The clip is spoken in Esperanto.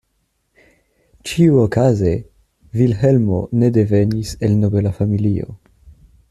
Ĉiuokaze Vilhelmo ne devenis el nobela familio.